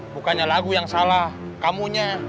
bukannya lagu yang salah kamunya